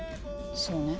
そうね。